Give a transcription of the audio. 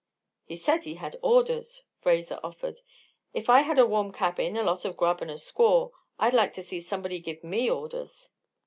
"He said he had orders," Fraser offered. "If I had a warm cabin, a lot of grub and a squaw I'd like to see somebody give me orders."